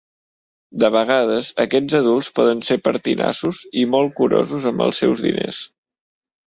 De vegades, aquests adults poden ser pertinaços i molt curosos amb els seus diners.